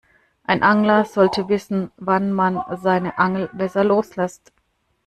Ein Angler sollte wissen, wann man seine Angel besser loslässt.